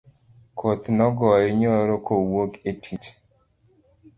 Koth nogoye nyoro kowuok e tich